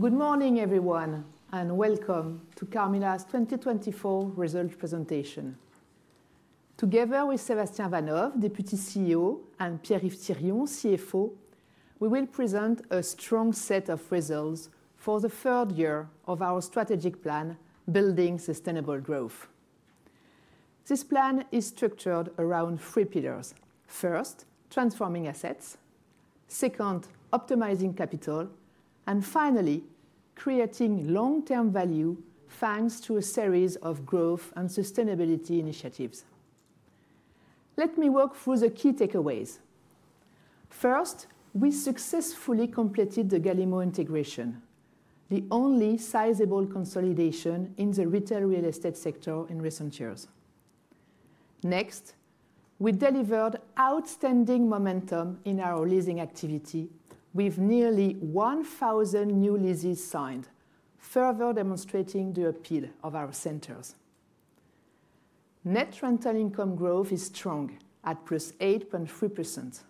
Good morning, everyone, and welcome to Carmila's 2024 results presentation. Together with Sébastien Vanhoove, Deputy CEO, and Pierre-Yves Thirion, CFO, we will present a strong set of results for the third year of our strategic plan, Building Sustainable Growth. This plan is structured around three pillars: first, transforming assets; second, optimizing capital; and finally, creating long-term value thanks to a series of growth and sustainability initiatives. Let me walk through the key takeaways. First, we successfully completed the Galimmo integration, the only sizeable consolidation in the retail real estate sector in recent years. Next, we delivered outstanding momentum in our leasing activity, with nearly 1,000 new leases signed, further demonstrating the appeal of our centers. Net rental income growth is strong, at 8.3%.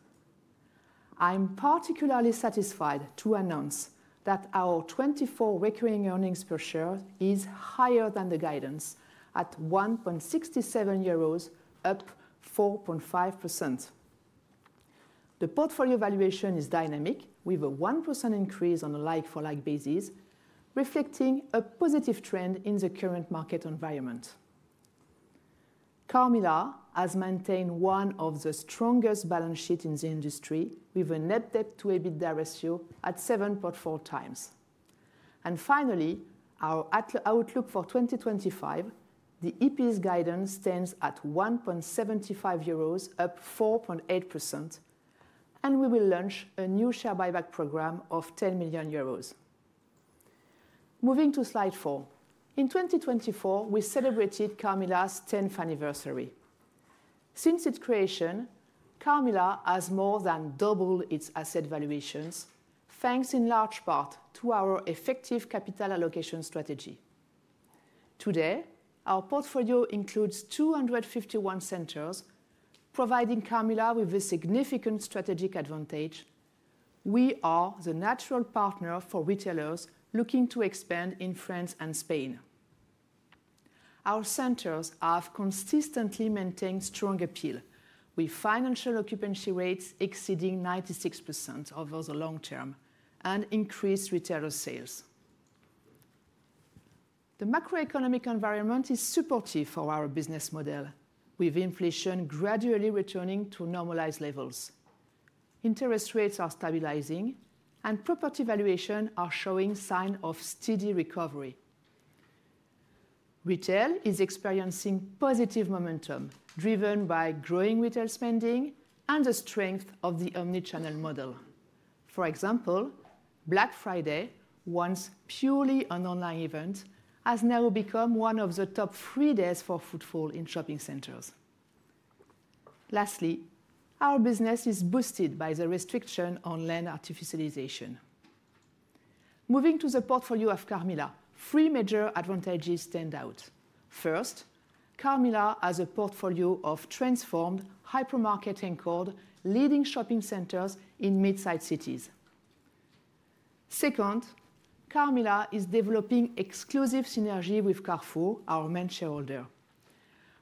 I'm particularly satisfied to announce that our 2024 recurring earnings per share is higher than the guidance, at 1.67 euros, up 4.5%. The portfolio valuation is dynamic, with a 1% increase on a like-for-like basis, reflecting a positive trend in the current market environment. Carmila has maintained one of the strongest balance sheets in the industry, with a net debt-to-EBITDA ratio at 7.4 times, and finally, our outlook for 2025: the EP's guidance stands at 1.75 euros, up 4.8%, and we will launch a new share buyback program of 10 million euros. Moving to slide four, in 2024, we celebrated Carmila's 10th anniversary. Since its creation, Carmila has more than doubled its asset valuations, thanks in large part to our effective capital allocation strategy. Today, our portfolio includes 251 centers, providing Carmila with a significant strategic advantage. We are the natural partner for retailers looking to expand in France and Spain. Our centers have consistently maintained strong appeal, with financial occupancy rates exceeding 96% over the long term and increased retailer sales. The macroeconomic environment is supportive for our business model, with inflation gradually returning to normalized levels. Interest rates are stabilizing, and property valuations are showing signs of steady recovery. Retail is experiencing positive momentum, driven by growing retail spending and the strength of the omnichannel model. For example, Black Friday, once purely an online event, has now become one of the top three days for footfall in shopping centers. Lastly, our business is boosted by the restriction on land artificialization. Moving to the portfolio of Carmila, three major advantages stand out. First, Carmila has a portfolio of transformed, hypermarket-anchored, leading shopping centers in mid-sized cities. Second, Carmila is developing exclusive synergy with Carrefour, our main shareholder.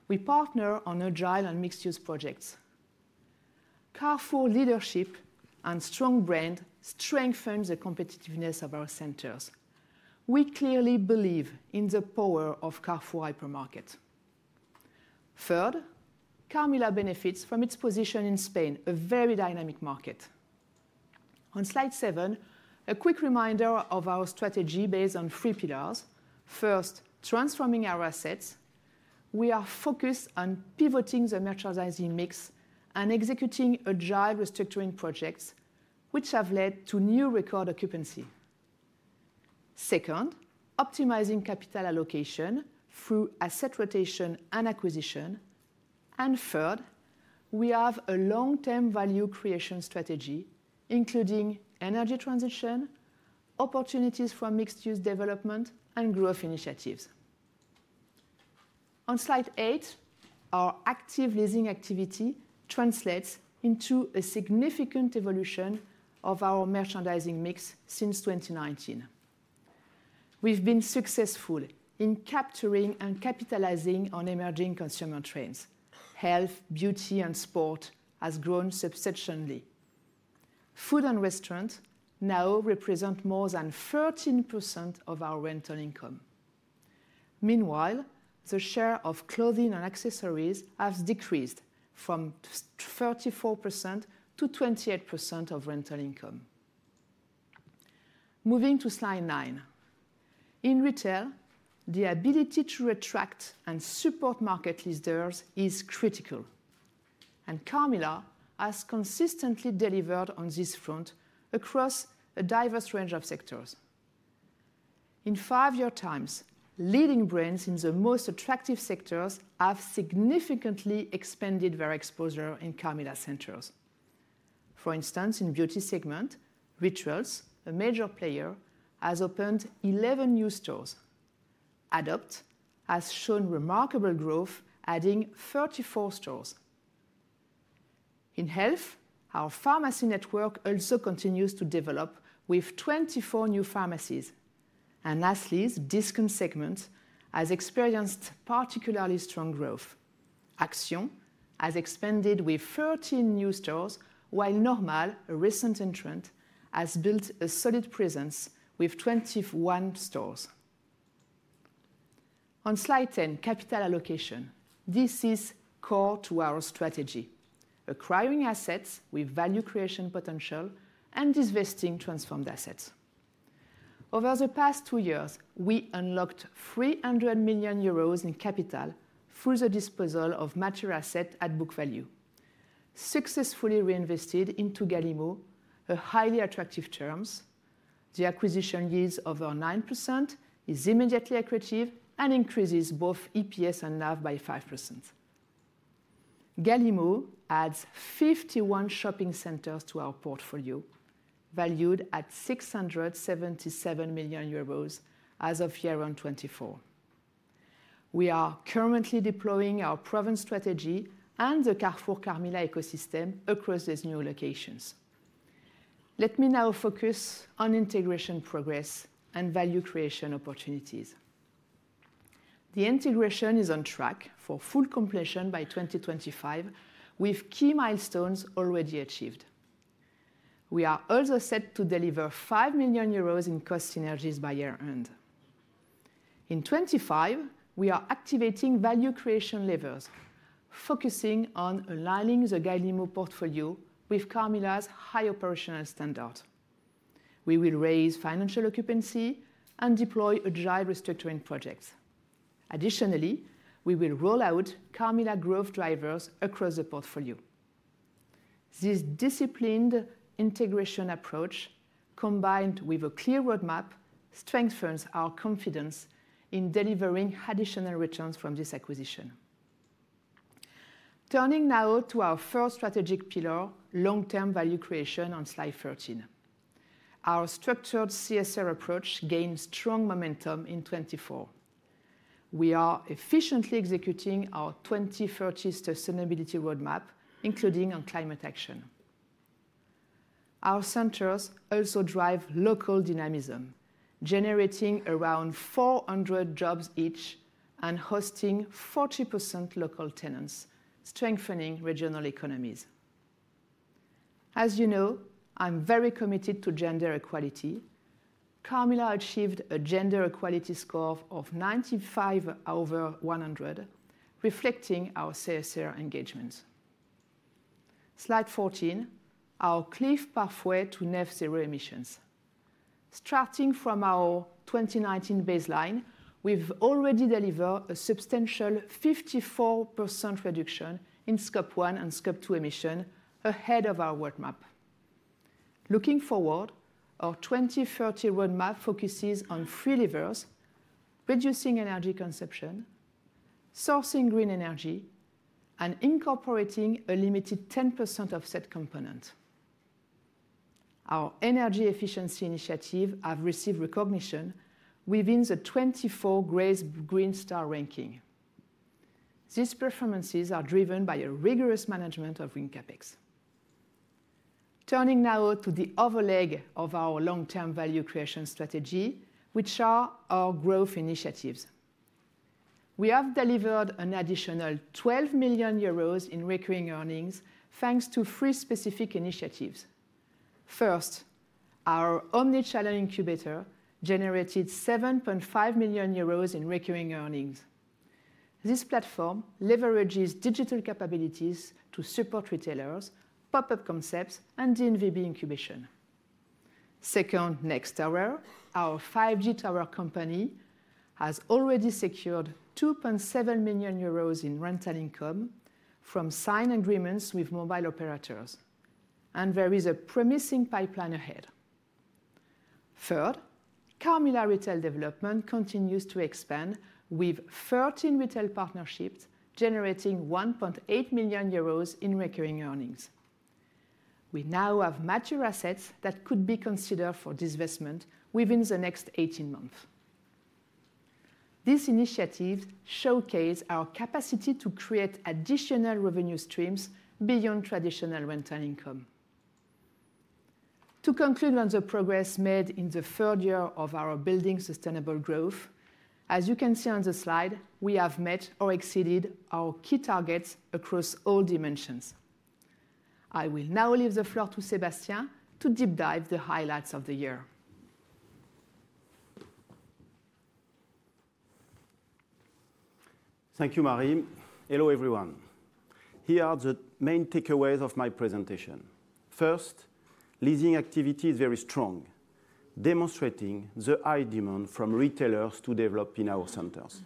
We partner on agile and mixed-use projects. Carrefour leadership and strong brand strengthen the competitiveness of our centers. We clearly believe in the power of Carrefour hypermarket. Third, Carmila benefits from its position in Spain, a very dynamic market. On slide seven, a quick reminder of our strategy based on three pillars. First, transforming our assets. We are focused on pivoting the merchandising mix and executing agile restructuring projects, which have led to new record occupancy. Second, optimizing capital allocation through asset rotation and acquisition. And third, we have a long-term value creation strategy, including energy transition, opportunities for mixed-use development, and growth initiatives. On slide eight, our active leasing activity translates into a significant evolution of our merchandising mix since 2019. We've been successful in capturing and capitalizing on emerging consumer trends. Health, beauty, and sport have grown substantially. Food and restaurants now represent more than 13% of our rental income. Meanwhile, the share of clothing and accessories has decreased from 34% to 28% of rental income. Moving to slide nine, in retail, the ability to attract and support market leaders is critical, and Carmila has consistently delivered on this front across a diverse range of sectors. In five-year time, leading brands in the most attractive sectors have significantly expanded their exposure in Carmila centers. For instance, in the beauty segment, Rituals, a major player, has opened 11 new stores. Adopt has shown remarkable growth, adding 34 stores. In health, our pharmacy network also continues to develop with 24 new pharmacies, and lastly, the discount segment has experienced particularly strong growth. Action has expanded with 13 new stores, while Normal, a recent entrant, has built a solid presence with 21 stores. On slide 10, capital allocation. This is core to our strategy: acquiring assets with value creation potential and divesting transformed assets. Over the past two years, we unlocked 300 million euros in capital through the disposal of mature assets at book value, successfully reinvested into Galimmo, at highly attractive terms. The acquisition yields over 9%, is immediately accretive, and increases both EPS and NAV by 5%. Galimmo adds 51 shopping centers to our portfolio, valued at 677 million euros as of 2024. We are currently deploying our proven strategy and the Carrefour-Carmila ecosystem across these new locations. Let me now focus on integration progress and value creation opportunities. The integration is on track for full completion by 2025, with key milestones already achieved. We are also set to deliver 5 million euros in cost synergies by year-end. In 2025, we are activating value creation levers, focusing on aligning the Galimmo portfolio with Carmila's high operational standard. We will raise financial occupancy and deploy agile restructuring projects. Additionally, we will roll out Carmila growth drivers across the portfolio. This disciplined integration approach, combined with a clear roadmap, strengthens our confidence in delivering additional returns from this acquisition. Turning now to our first strategic pillar, long-term value creation on slide 13, our structured CSR approach gains strong momentum in 2024. We are efficiently executing our 2030 sustainability roadmap, including on climate action. Our centers also drive local dynamism, generating around 400 jobs each and hosting 40% local tenants, strengthening regional economies. As you know, I'm very committed to gender equality. Carmila achieved a gender equality score of 95 over 100, reflecting our CSR engagements. Slide 14, our clear pathway to net zero emissions. Starting from our 2019 baseline, we've already delivered a substantial 54% reduction in Scope 1 and Scope 2 emissions ahead of our roadmap. Looking forward, our 2030 roadmap focuses on three levers: reducing energy consumption, sourcing green energy, and incorporating a limited 10% offset component. Our energy efficiency initiatives have received recognition within the 2024 GRESB Green Star ranking. Third, Carmila Retail Development continues to expand with 13 retail partnerships, generating EUR 1.8 million in recurring earnings. We now have mature assets that could be considered for divestment within the next 18 months. These initiatives showcase our capacity to create additional revenue streams beyond traditional rental income. To conclude on the progress made in the third year of our building sustainable growth, as you can see on the slide, we have met or exceeded our key targets across all dimensions. I will now leave the floor to Sébastien to deep dive the highlights of the year. Thank you, Marie. Hello everyone. Here are the main takeaways of my presentation. First, leasing activity is very strong, demonstrating the high demand from retailers to develop in our centers.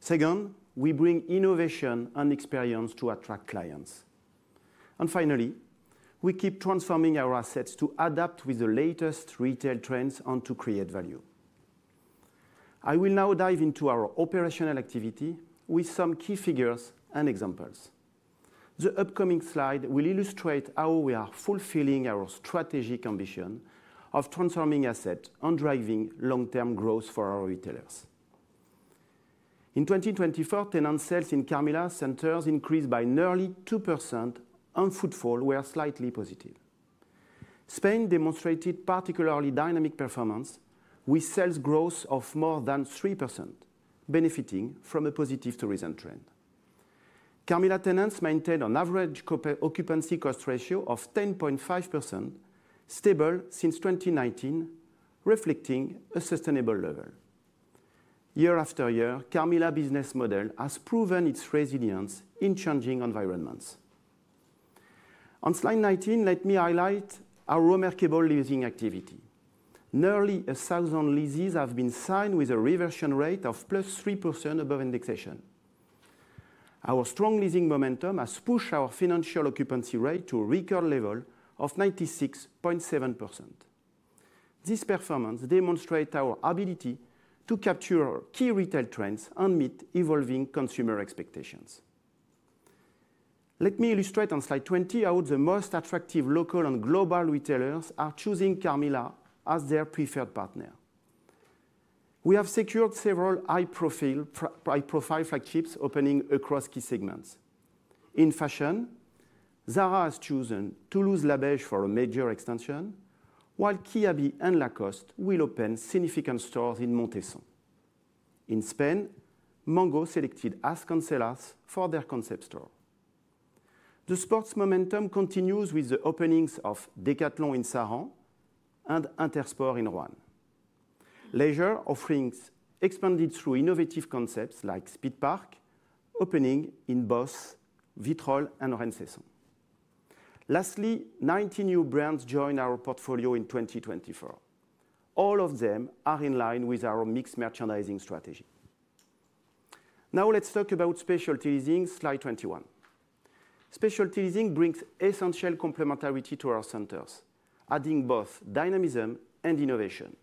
Second, we bring innovation and experience to attract clients. And finally, we keep transforming our assets to adapt with the latest retail trends and to create value. I will now dive into our operational activity with some key figures and examples. The upcoming slide will illustrate how we are fulfilling our strategic ambition of transforming assets and driving long-term growth for our retailers. In 2024, tenant sales in Carmila centers increased by nearly 2%, and footfall was slightly positive. Spain demonstrated particularly dynamic performance with sales growth of more than 3%, benefiting from a positive tourism trend. Carmila tenants maintain an average occupancy cost ratio of 10.5%, stable since 2019, reflecting a sustainable level. Year after year, Carmila's business model has proven its resilience in changing environments. On slide 19, let me highlight our remarkable leasing activity. Nearly 1,000 leases have been signed with a reversion rate of plus 3% above indexation. Our strong leasing momentum has pushed our financial occupancy rate to a record level of 96.7%. This performance demonstrates our ability to capture key retail trends and meet evolving consumer expectations. Let me illustrate on slide 20 how the most attractive local and global retailers are choosing Carmila as their preferred partner. We have secured several high-profile flagships opening across key segments. In fashion, Zara has chosen Toulouse-Labège for a major extension, while Kiabi and Lacoste will open significant stores in Montesson. In Spain, Mango selected As Cancelas for their concept store. The sports momentum continues with the openings of Decathlon in Saran and Intersport in Rouen. Leisure offerings expanded through innovative concepts like Speedpark, opening in Beauvais, Vitrolles, and Rennes-Saint-Grégoire. Lastly, 90 new brands joined our portfolio in 2024. All of them are in line with our mixed merchandising strategy. Now let's talk about specialty leasing, slide 21. Specialty leasing brings essential complementarity to our centers, adding both dynamism and innovation.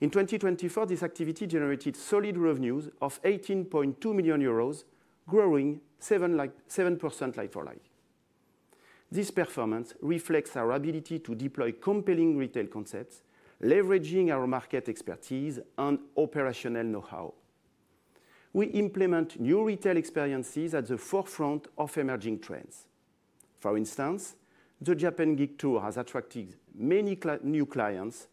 In 2024, this activity generated solid revenues of 18.2 million euros, growing 7% year-on-year. This performance reflects our ability to deploy compelling retail concepts, leveraging our market expertise and operational know-how. We implement new retail experiences at the forefront of emerging trends. For instance, the Japan Geek Tour has attracted many new clients,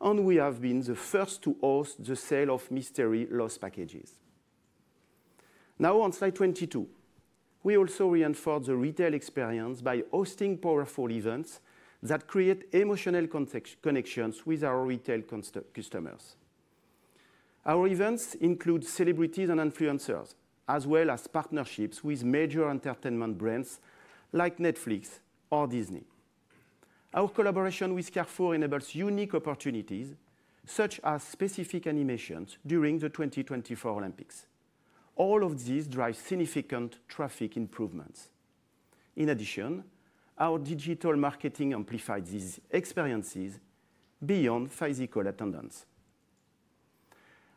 and we have been the first to host the sale of mystery lost packages. Now, on slide 22, we also reinforce the retail experience by hosting powerful events that create emotional connections with our retail customers. Our events include celebrities and influencers, as well as partnerships with major entertainment brands like Netflix or Disney. Our collaboration with Carrefour enables unique opportunities, such as specific animations during the 2024 Olympics. All of these drive significant traffic improvements. In addition, our digital marketing amplifies these experiences beyond physical attendance.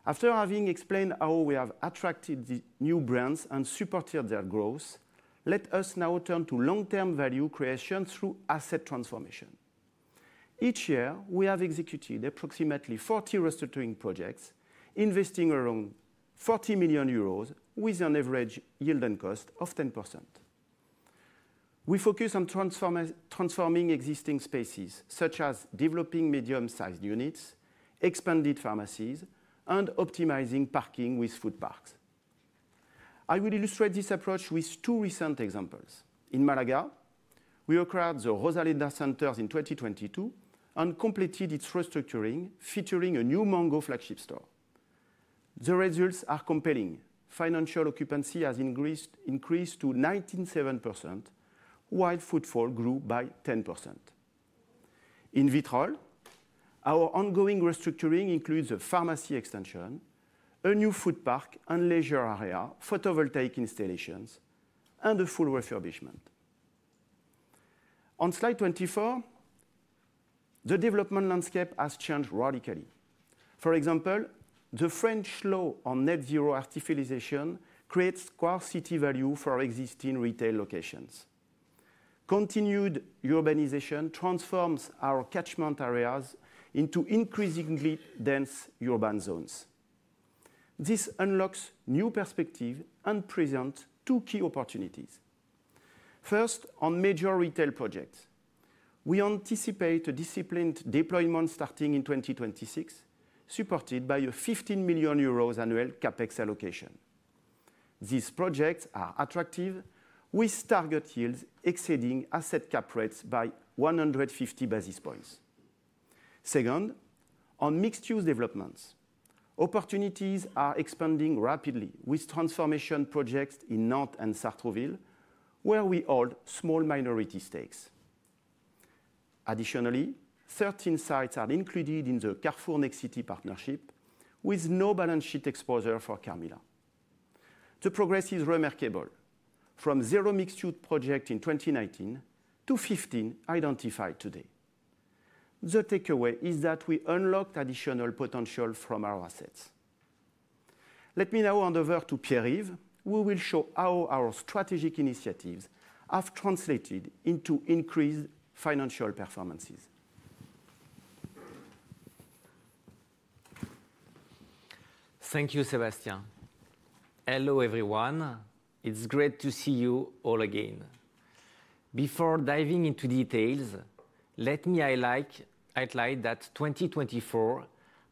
After having explained how we have attracted new brands and supported their growth, let us now turn to long-term value creation through asset transformation. Each year, we have executed approximately 40 restructuring projects, investing around 40 million euros with an average yield and cost of 10%. We focus on transforming existing spaces, such as developing medium-sized units, expanded pharmacies, and optimizing parking with food parks. I will illustrate this approach with two recent examples. In Malaga, we acquired the La Rosaleda center in 2022 and completed its restructuring, featuring a new Mango flagship store. The results are compelling. Financial occupancy has increased to 97%, while footfall grew by 10%. In Vitrolles, our ongoing restructuring includes a pharmacy extension, a new food park and leisure area, photovoltaic installations, and a full refurbishment. On slide 24, the development landscape has changed radically. For example, the French law on Net Zero Artificialization creates core city value for existing retail locations. Continued urbanization transforms our catchment areas into increasingly dense urban zones. This unlocks new perspectives and presents two key opportunities. First, on major retail projects, we anticipate a disciplined deployment starting in 2026, supported by an 15 million euros annual capex allocation. These projects are attractive with target yields exceeding asset cap rates by 150 basis points. Second, on mixed-use developments, opportunities are expanding rapidly with transformation projects in Nantes and Sartrouville, where we hold small minority stakes. Additionally, 13 sites are included in the Carrefour-Nexity partnership, with no balance sheet exposure for Carmila. The progress is remarkable, from zero mixed-use projects in 2019 to 15 identified today. The takeaway is that we unlocked additional potential from our assets. Let me now hand over to Pierre-Yves, who will show how our strategic initiatives have translated into increased financial performance. Thank you, Sébastien. Hello everyone. It's great to see you all again. Before diving into details, let me highlight that 2024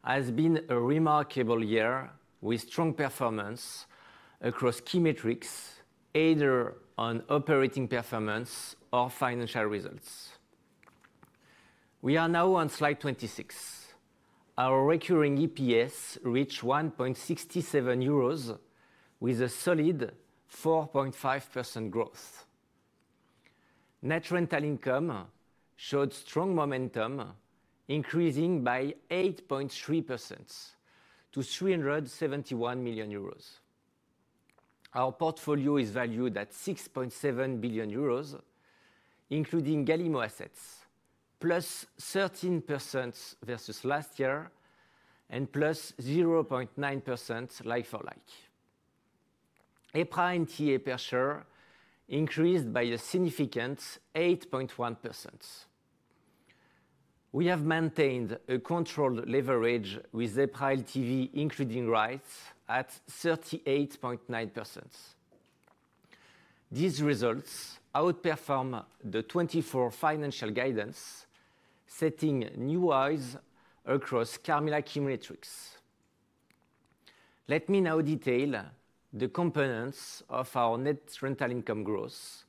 has been a remarkable year with strong performance across key metrics, either on operating performance or financial results. We are now on slide 26. Our recurring EPS reached 1.67 euros with a solid 4.5% growth. Net rental income showed strong momentum, increasing by 8.3% to 371 million euros. Our portfolio is valued at 6.7 billion euros, including Galimmo assets, plus 13% versus last year and plus 0.9% like-for-like. EPRA LTV per share increased by a significant 8.1%. We have maintained a controlled leverage with EPRA LTV, including rights at 38.9%. These results outperform the 24 financial guidance, setting new highs across Carmila key metrics. Let me now detail the components of our net rental income growth,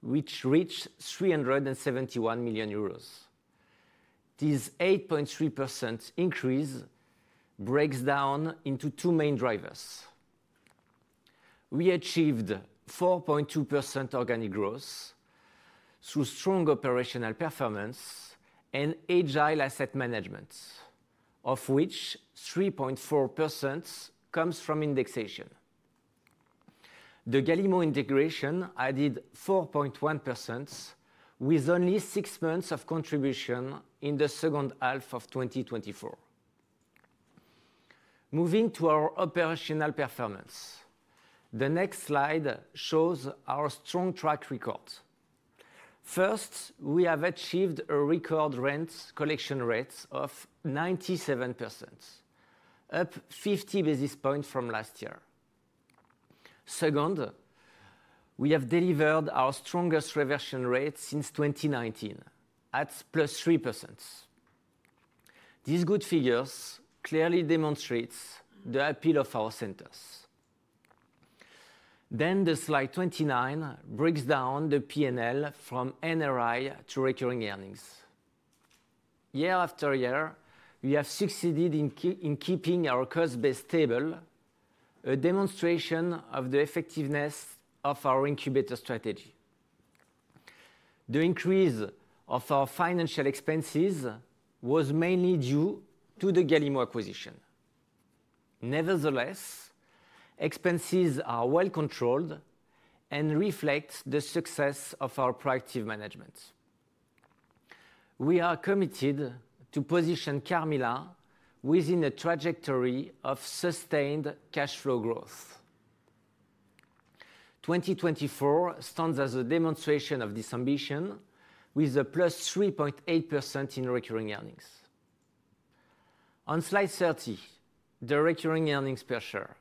which reached 371 million euros. This 8.3% increase breaks down into two main drivers. We achieved 4.2% organic growth through strong operational performance and agile asset management, of which 3.4% comes from indexation. The Galimmo integration added 4.1% with only six months of contribution in the second half of 2024. Moving to our operational performance, the next slide shows our strong track record. First, we have achieved a record rent collection rate of 97%, up 50 basis points from last year. Second, we have delivered our strongest reversion rate since 2019 at plus 3%. These good figures clearly demonstrate the appeal of our centers. Then the slide 29 breaks down the P&L from NRI to recurring earnings. Year after year, we have succeeded in keeping our cost base stable, a demonstration of the effectiveness of our incubator strategy. The increase of our financial expenses was mainly due to the Galimmo acquisition. Nevertheless, expenses are well controlled and reflect the success of our proactive management. We are committed to position Carmila within a trajectory of sustained cash flow growth. 2024 stands as a demonstration of this ambition, with a +3.8% in recurring earnings. On slide 30, the recurring earnings per share.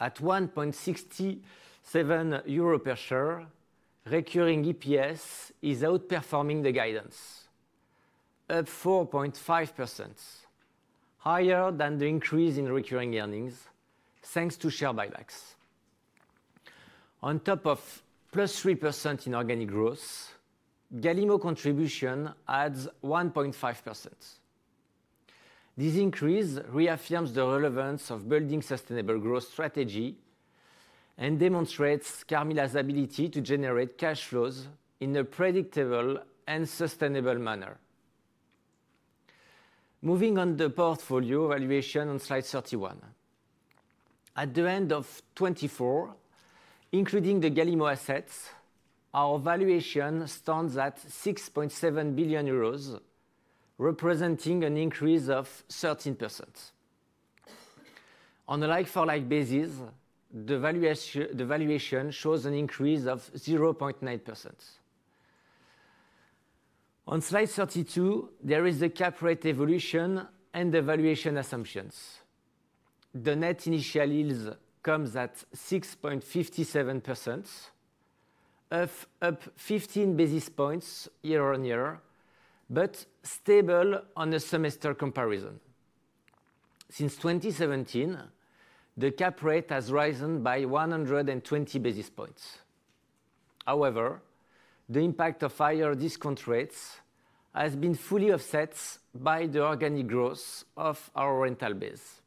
At 1.67 euro per share, recurring EPS is outperforming the guidance, up 4.5%, higher than the increase in recurring earnings thanks to share buybacks. On top of +3% in organic growth, Galimmo contribution adds 1.5%. This increase reaffirms the relevance of building sustainable growth strategy and demonstrates Carmila's ability to generate cash flows in a predictable and sustainable manner. Moving on the portfolio valuation on slide 31. At the end of 2024, including the Galimmo assets, our valuation stands at 6.7 billion euros, representing an increase of 13%. On a like-for-like basis, the valuation shows an increase of 0.9%. On slide 32, there is the cap rate evolution and the valuation assumptions. The net initial yield comes at 6.57%, up 15 basis points year-on-year, but stable on a semester comparison. Since 2017, the cap rate has risen by 120 basis points. However, the impact of higher discount rates has been fully offset by the organic growth of our rental base.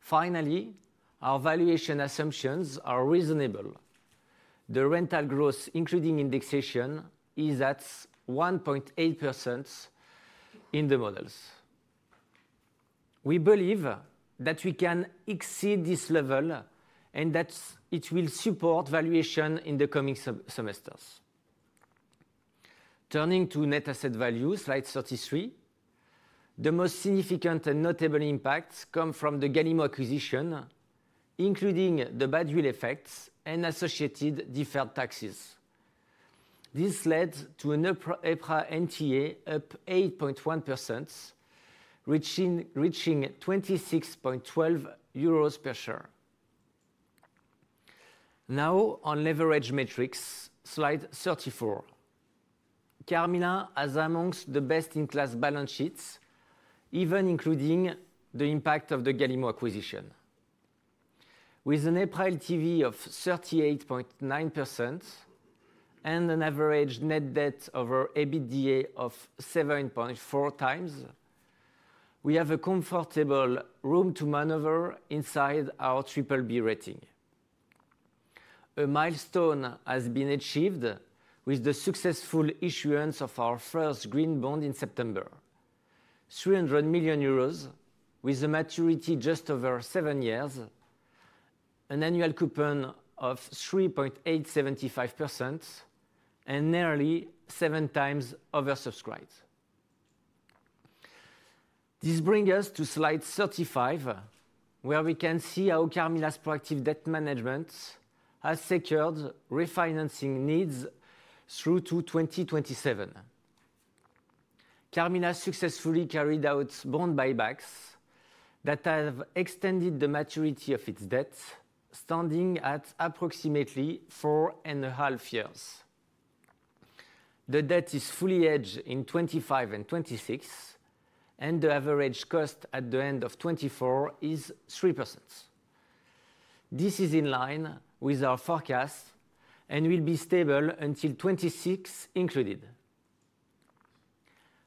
Finally, our valuation assumptions are reasonable. The rental growth, including indexation, is at 1.8% in the models. We believe that we can exceed this level and that it will support valuation in the coming semesters. Turning to net asset value, slide 33, the most significant and notable impacts come from the Galimmo acquisition, including the badwill effects and associated deferred taxes. This led to an EPRA LTV up 8.1%, reaching EUR 26.12 per share. Now, on leverage metrics, slide 34, Carmila has among the best-in-class balance sheets, even including the impact of the Galimmo acquisition. With an EPRA LTV of 38.9% and an average net debt over EBITDA of 7.4 times, we have a comfortable room to maneuver inside our triple B rating. A milestone has been achieved with the successful issuance of our first green bond in September, 300 million euros, with a maturity just over seven years, an annual coupon of 3.875%, and nearly seven times oversubscribed. This brings us to slide 35, where we can see how Carmila's proactive debt management has secured refinancing needs through to 2027. Carmila successfully carried out bond buybacks that have extended the maturity of its debt, standing at approximately four and a half years. The debt is fully hedged in 2025 and 2026, and the average cost at the end of 2024 is 3%. This is in line with our forecast and will be stable until 2026 included.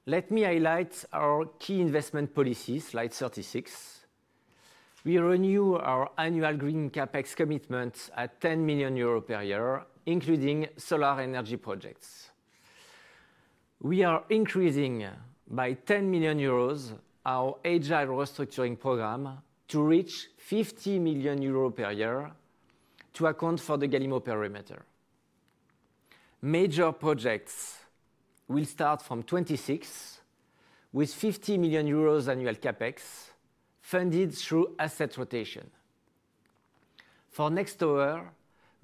Let me highlight our key investment policies, slide 36. We renew our annual green CapEx commitment at 10 million euro per year, including solar energy projects. We are increasing by 10 million euros our agile restructuring program to reach 50 million euros per year to account for the Galimmo perimeter. Major projects will start from 2026 with 50 million euros annual CapEx funded through asset rotation. For next year,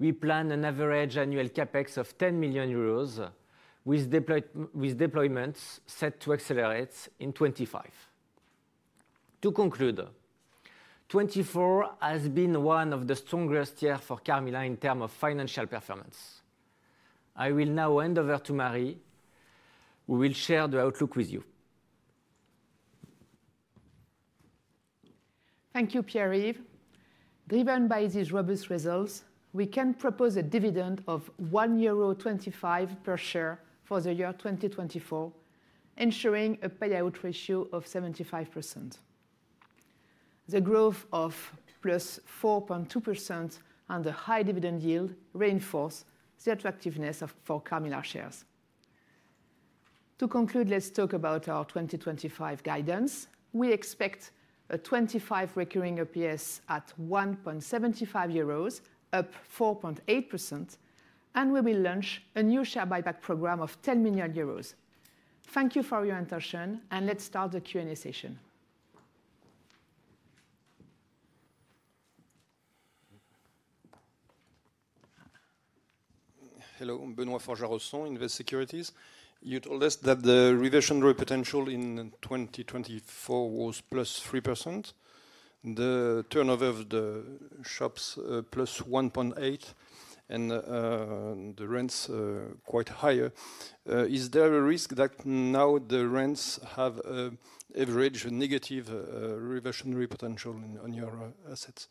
we plan an average annual CapEx of 10 million euros with deployments set to accelerate in 2025. To conclude, 2024 has been one of the strongest years for Carmila in terms of financial performance. I will now hand over to Marie, who will share the outlook with you. Thank you, Pierre-Yves. Driven by these robust results, we can propose a dividend of 1.25 euro per share for the year 2024, ensuring a payout ratio of 75%. The growth of +4.2% and the high dividend yield reinforce the attractiveness of Carmila shares. To conclude, let's talk about our 2025 guidance. We expect a 2025 recurring EPS at 1.75 euros, up 4.8%, and we will launch a new share buyback program of 10 million euros. Thank you for your attention, and let's start the Q&A session. Hello, Benoît Faure-Jarrosson, Invest Securities. You told us that the reversion potential in 2024 was +3%. The turnover of the shops +1.8% and the rents quite higher? Is there a risk that now the rents have an average negative reversionary potential on your assets?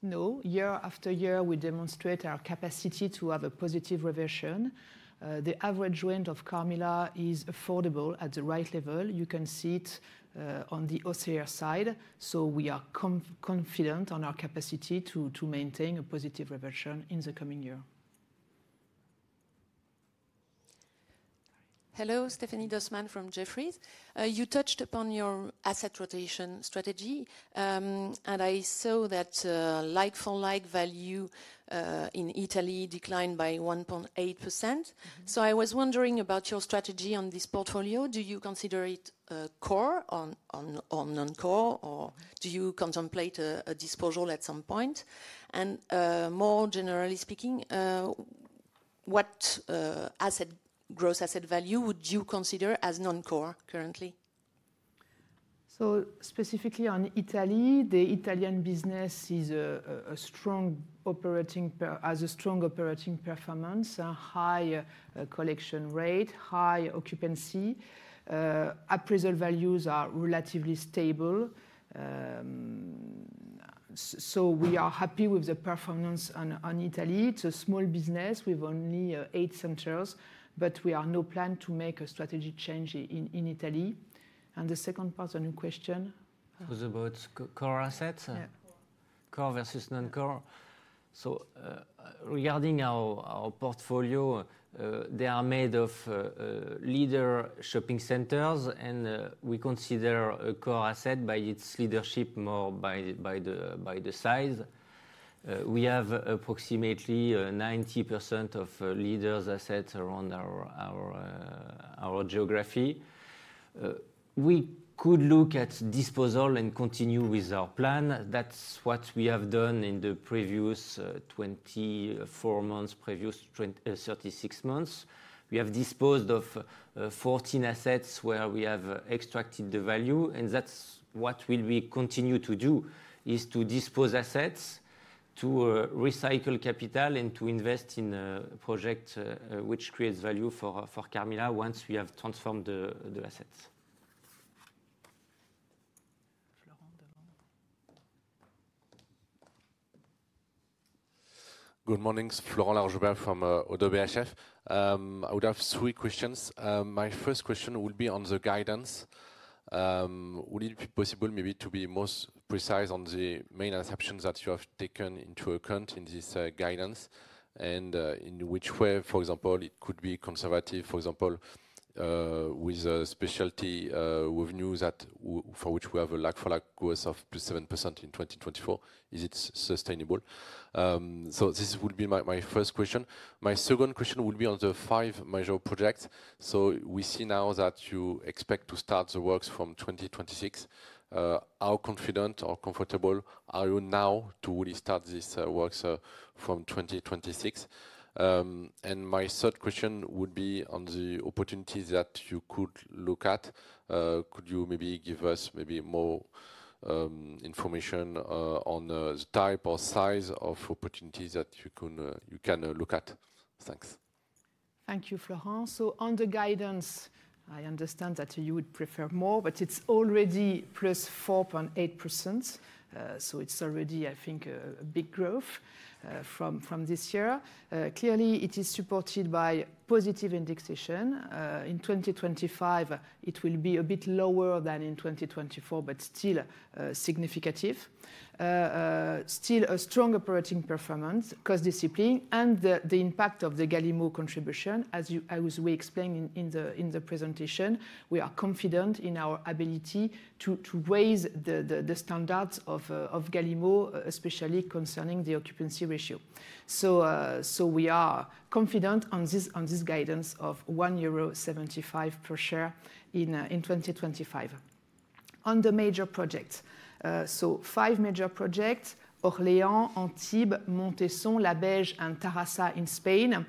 No, year after year, we demonstrate our capacity to have a positive reversion. The average rent of Carmila is affordable at the right level. You can see it on the OCR side. So we are confident on our capacity to maintain a positive reversion in the coming year. Hello, Stephanie Dossmann from Jefferies. You touched upon your asset rotation strategy, and I saw that like-for-like value in Italy declined by 1.8%. So I was wondering about your strategy on this portfolio. Do you consider it core or non-core, or do you contemplate a disposal at some point? And more generally speaking, what asset growth asset value would you consider as non-core currently? So specifically on Italy, the Italian business has a strong operating performance, a high collection rate, high occupancy. Appraisal values are relatively stable. So we are happy with the performance in Italy. It's a small business with only eight centers, but we have no plan to make a strategy change in Italy. And the second part of your question? It was about core assets, core versus non-core. So regarding our portfolio, they are made of leading shopping centers, and we consider a core asset by its leadership more by the size. We have approximately 90% of leading assets around our geography. We could look at disposals and continue with our plan. That's what we have done in the previous 24 months, previous 36 months. We have disposed of 14 assets where we have extracted the value, and that's what we will continue to do, is to dispose of assets, to recycle capital, and to invest in projects which create value for Carmila once we have transformed the assets. Good morning, Florent Laroche-Joubert from Oddo BHF. I would have three questions. My first question will be on the guidance. Would it be possible maybe to be most precise on the main assumptions that you have taken into account in this guidance and in which way, for example, it could be conservative, for example, with a specialty revenue for which we have a like-for-like growth of 7% in 2024? Is it sustainable? So this will be my first question. My second question will be on the five major projects. So we see now that you expect to start the works from 2026. How confident or comfortable are you now to really start these works from 2026? And my third question would be on the opportunities that you could look at. Could you maybe give us maybe more information on the type or size of opportunities that you can look at? Thanks. Thank you, Florent. So on the guidance, I understand that you would prefer more, but it's already plus 4.8%. So it's already, I think, a big growth from this year. Clearly, it is supported by positive indexation. In 2025, it will be a bit lower than in 2024, but still significant. Still a strong operating performance, cost discipline, and the impact of the Galimmo contribution, as we explained in the presentation. We are confident in our ability to raise the standards of Galimmo, especially concerning the occupancy ratio. So we are confident on this guidance of 1.75 euro per share in 2025. On the major projects, so five major projects: Orléans, Antibes, Montesson, Labège, and Terrassa in Spain.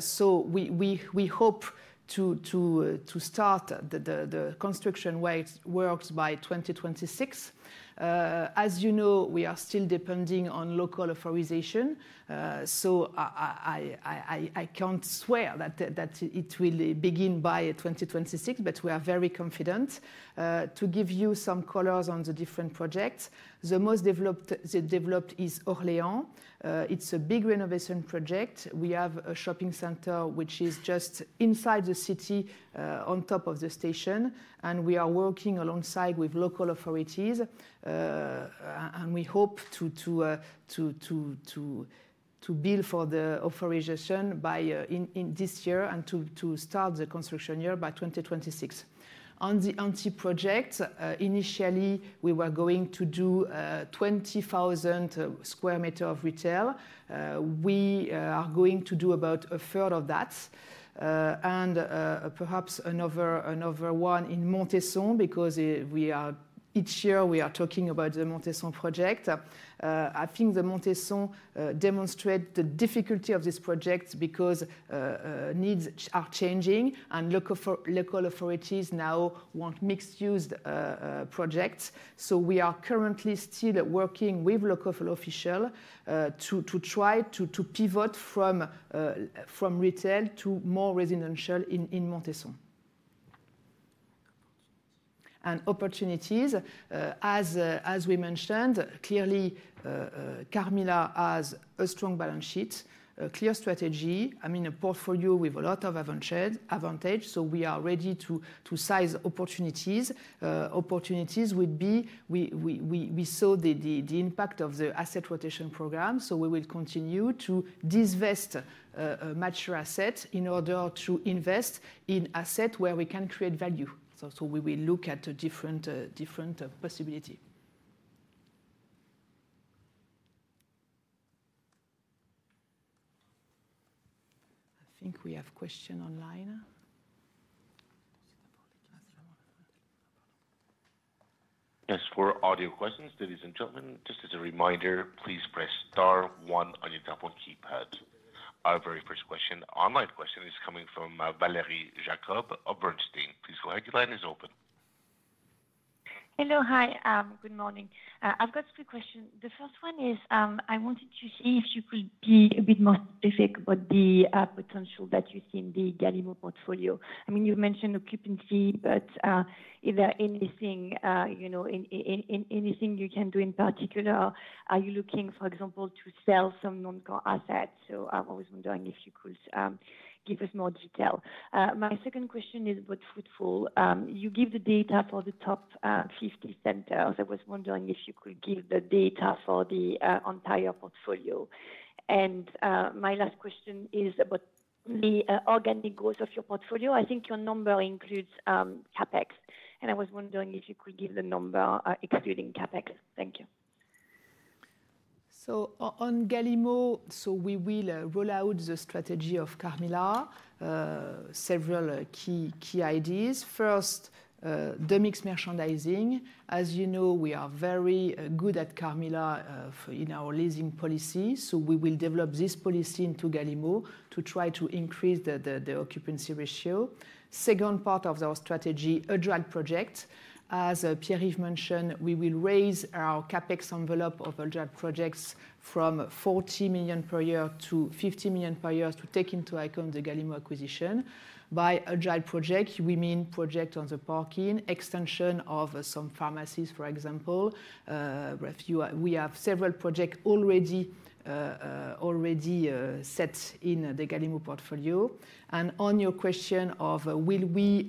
So we hope to start the construction works by 2026. As you know, we are still depending on local authorization. I can't swear that it will begin by 2026, but we are very confident. To give you some colors on the different projects, the most developed is Orléans. It's a big renovation project. We have a shopping center which is just inside the city on top of the station, and we are working alongside with local authorities, and we hope to get the building authorization by this year and to start the construction by 2026. On the Antibes project, initially, we were going to do 20,000 sq m of retail. We are going to do about a third of that and perhaps another one in Montesson because each year we are talking about the Montesson project. I think the Montesson demonstrates the difficulty of this project because needs are changing and local authorities now want mixed-use projects. So we are currently still working with local officials to try to pivot from retail to more residential in Montesson. And opportunities, as we mentioned, clearly, Carmila has a strong balance sheet, a clear strategy. I mean, a portfolio with a lot of advantage, so we are ready to size opportunities. Opportunities would be we saw the impact of the asset rotation program, so we will continue to divest mature assets in order to invest in assets where we can create value. So we will look at different possibilities. I think we have questions online. Yes, for audio questions, ladies and gentlemen, just as a reminder, please press star one on your keypad. Our very first question, online question, is coming from Valérie Jacob of Bernstein. Please go ahead. Your line is open. Hello, hi, good morning. I've got three questions. The first one is I wanted to see if you could be a bit more specific about the potential that you see in the Galimmo portfolio. I mean, you mentioned occupancy, but is there anything you can do in particular? Are you looking, for example, to sell some non-core assets? So I was wondering if you could give us more detail. My second question is about footfall. You give the data for the top 50 centers. I was wondering if you could give the data for the entire portfolio. And my last question is about the organic growth of your portfolio. I think your number includes capex, and I was wondering if you could give the number excluding capex. Thank you. So on Galimmo, we will roll out the strategy of Carmila with several key ideas. First, the mixed merchandising. As you know, we are very good at Carmila in our leasing policy, so we will develop this policy into Galimmo to try to increase the occupancy ratio. Second part of our strategy, agile projects. As Pierre-Yves mentioned, we will raise our CapEx envelope of agile projects from 40 million per year to 50 million per year to take into account the Galimmo acquisition. By agile project, we mean projects on the parking, extension of some pharmacies, for example. We have several projects already set in the Galimmo portfolio. And on your question of will we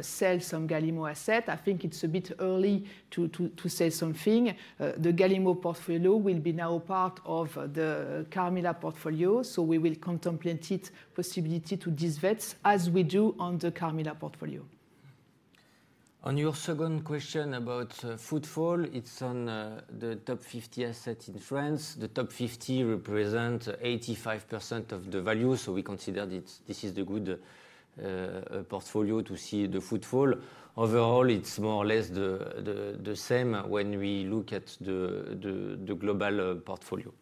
sell some Galimmo assets, I think it's a bit early to say something. The Galimmo portfolio will be now part of the Carmila portfolio, so we will contemplate the possibility to divest as we do on the Carmila portfolio. On your second question about footfall, it's on the top 50 assets in France. The top 50 represent 85% of the value, so we consider this is a good portfolio to see the footfall. Overall, it's more or less the same when we look at the global portfolio.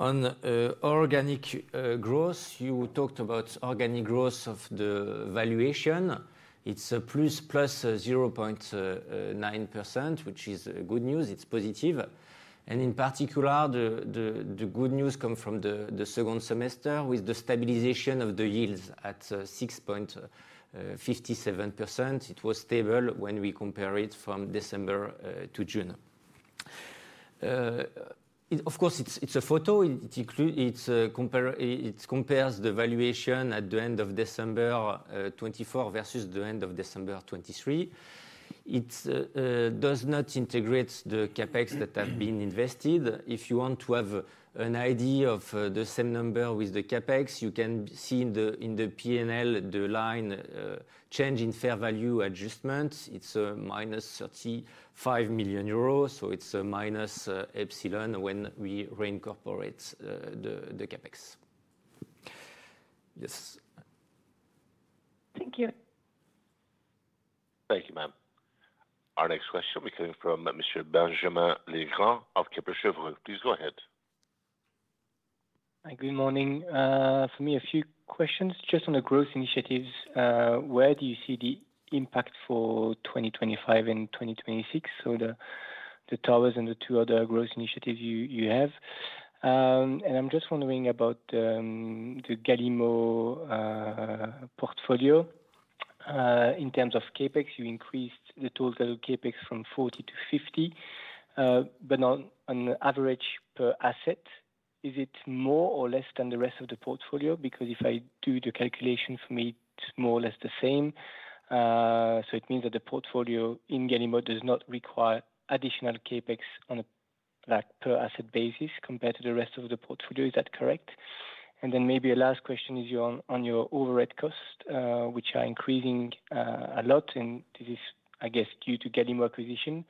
On organic growth, you talked about organic growth of the valuation. It's plus 0.9%, which is good news. It's positive, and in particular, the good news comes from the second semester with the stabilization of the yields at 6.57%. It was stable when we compared it from December to June. Of course, it's a photo. It compares the valuation at the end of December 2024 versus the end of December 2023. It does not integrate the CapEx that have been invested. If you want to have an idea of the same number with the CapEx, you can see in the P&L the line change in fair value adjustment. It's -35 million euros, so it's a minus epsilon when we reincorporate the CapEx. Yes. Thank you. Thank you, ma'am. Our next question will be coming from Mr. Benjamin Legrand of Kepler Cheuvreux. Please go ahead. Good morning. For me, a few questions just on the growth initiatives. Where do you see the impact for 2025 and 2026? So the towers and the two other growth initiatives you have. And I'm just wondering about the Galimmo portfolio. In terms of CapEx, you increased the total CapEx from 40 to 50, but on average per asset, is it more or less than the rest of the portfolio? Because if I do the calculation for me, it's more or less the same. So it means that the portfolio in Galimmo does not require additional CapEx on a per asset basis compared to the rest of the portfolio. Is that correct? Maybe a last question is on your overhead costs, which are increasing a lot, and this is, I guess, due to Galimmo acquisition.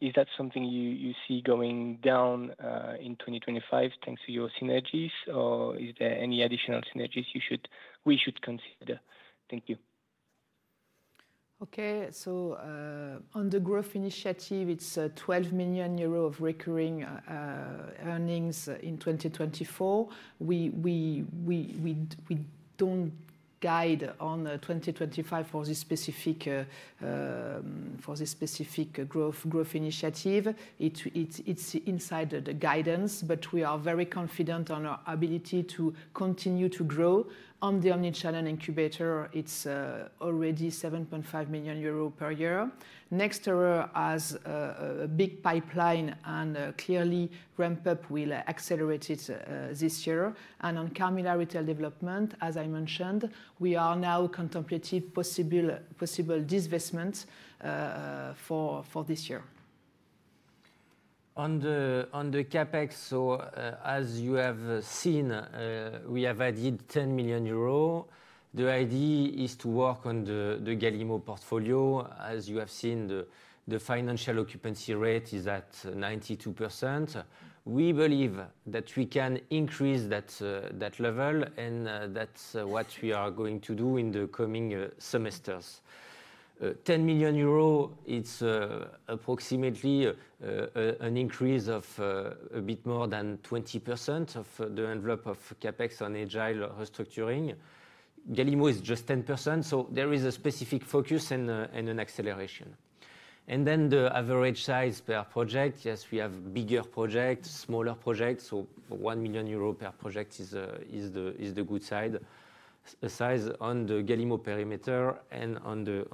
Is that something you see going down in 2025 thanks to your synergies, or is there any additional synergies we should consider? Thank you. Okay. On the growth initiative, it's 12 million euro of recurring earnings in 2024. We don't guide on 2025 for this specific growth initiative. It's inside the guidance, but we are very confident on our ability to continue to grow. On the omnichannel incubator, it's already 7.5 million euros per year. Next year has a big pipeline, and clearly ramp up will accelerate it this year. On Carmila retail development, as I mentioned, we are now contemplating possible disbursements for this year. On the CapEx, as you have seen, we have added 10 million euros. The idea is to work on the Galimmo portfolio. As you have seen, the financial occupancy rate is at 92%. We believe that we can increase that level, and that's what we are going to do in the coming semesters. 10 million euros, it's approximately an increase of a bit more than 20% of the envelope of CapEx on agile restructuring. Galimmo is just 10%, so there is a specific focus and an acceleration. And then the average size per project, yes, we have bigger projects, smaller projects, so 1 million euro per project is the good size on the Galimmo perimeter and on the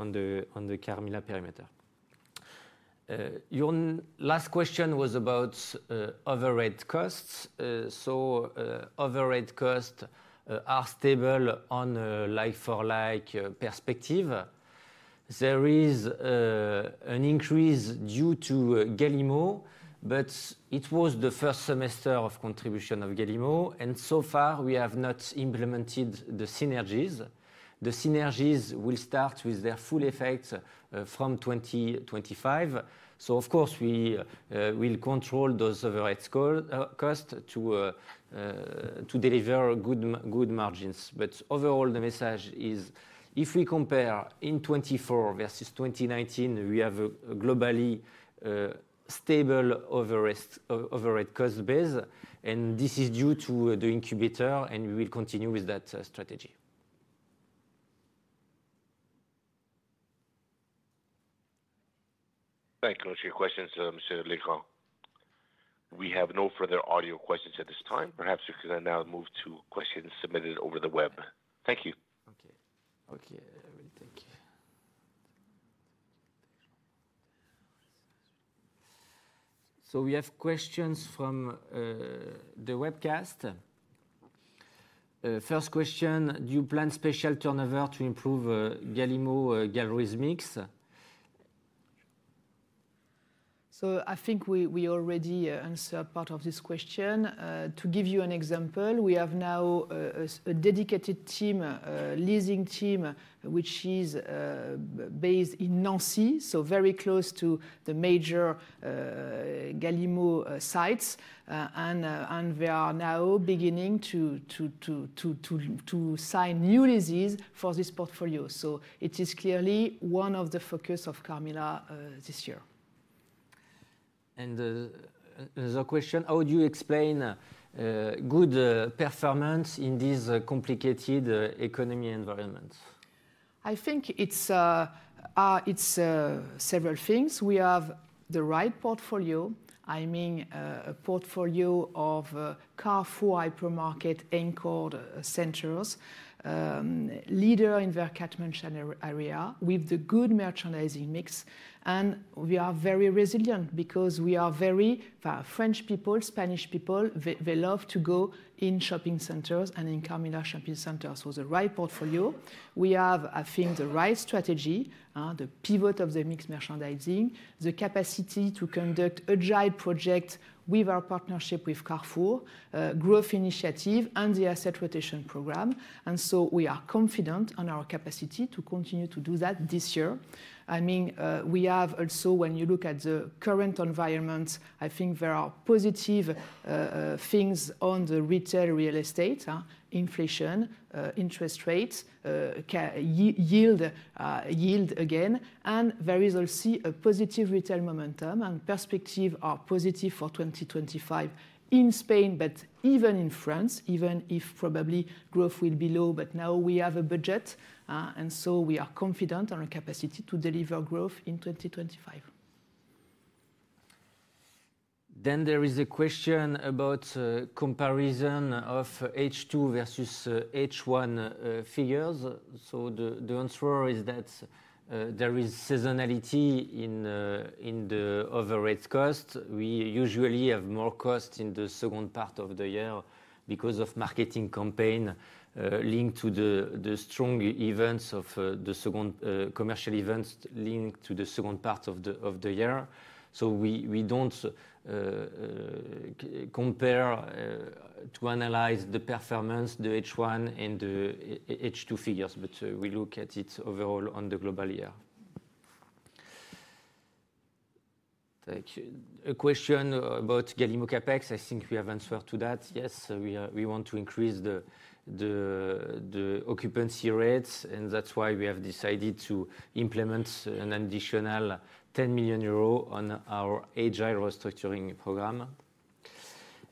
Carmila perimeter. Your last question was about overhead costs. So overhead costs are stable on a like-for-like perspective. There is an increase due to Galimmo, but it was the first semester of contribution of Galimmo, and so far, we have not implemented the synergies. The synergies will start with their full effect from 2025. So, of course, we will control those overhead costs to deliver good margins. But overall, the message is, if we compare in 24 versus 2019, we have a globally stable overhead cost base, and this is due to the incubator, and we will continue with that strategy. Thank you. Those are your questions, Mr. Legrand. We have no further audio questions at this time. Perhaps we can now move to questions submitted over the web. Thank you. Okay. Okay. Thank you. So we have questions from the webcast. First question, do you plan specialty leasing to improve Galimmo gallery's mix? So I think we already answered part of this question. To give you an example, we have now a dedicated leasing team which is based in Nancy, so very close to the major Galimmo sites, and they are now beginning to sign new leases for this portfolio. So it is clearly one of the focuses of Carmila this year. And another question, how would you explain good performance in this complicated economic environment? I think it's several things. We have the right portfolio. I mean, a portfolio of Carrefour hypermarket anchored centers, leader in the catchment area, with the good merchandising mix, and we are very resilient because we are very French people, Spanish people, they love to go in shopping centers and in Carmila shopping centers. The right portfolio, we have, I think, the right strategy, the pivot of the mixed merchandising, the capacity to conduct agile projects with our partnership with Carrefour, growth initiative, and the asset rotation program. We are confident on our capacity to continue to do that this year. I mean, we have also, when you look at the current environment, I think there are positive things on the retail real estate, inflation, interest rates, yield again, and there is also a positive retail momentum and perspective are positive for 2025 in Spain, but even in France, even if probably growth will be low, but now we have a budget, and so we are confident on our capacity to deliver growth in 2025. There is a question about comparison of H2 versus H1 figures. The answer is that there is seasonality in the overhead cost. We usually have more costs in the second part of the year because of marketing campaigns linked to the strong events of the second commercial events linked to the second part of the year. So we don't compare to analyze the performance, the H1 and the H2 figures, but we look at it overall on the global year. Thank you. A question about Galimmo CapEx. I think we have answered to that. Yes, we want to increase the occupancy rates, and that's why we have decided to implement an additional 10 million euro on our agile restructuring program.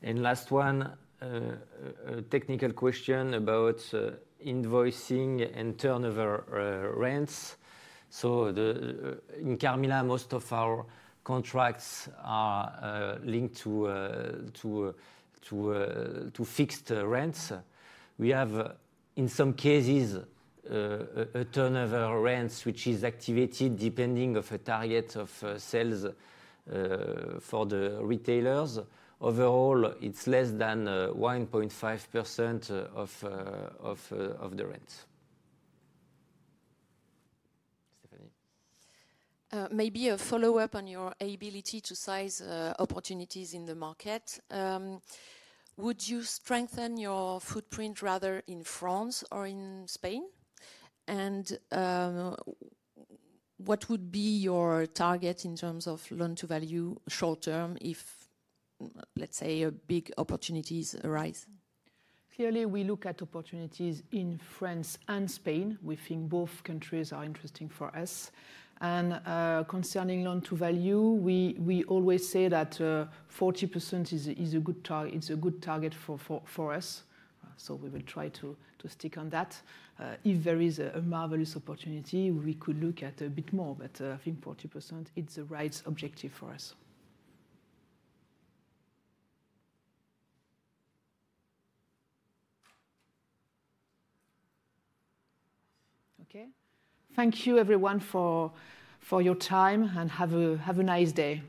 And last one, a technical question about invoicing and turnover rents. So in Carmila, most of our contracts are linked to fixed rents. We have, in some cases, a turnover rent which is activated depending on a target of sales for the retailers. Overall, it's less than 1.5% of the rents. Stephanie. Maybe a follow-up on your ability to size opportunities in the market. Would you strengthen your footprint rather in France or in Spain? And what would be your target in terms of loan-to-value short term if, let's say, big opportunities arise? Clearly, we look at opportunities in France and Spain. We think both countries are interesting for us. And concerning loan-to-value, we always say that 40% is a good target for us. So we will try to stick on that. If there is a marvelous opportunity, we could look at a bit more, but I think 40% is the right objective for us. Okay. Thank you, everyone, for your time, and have a nice day.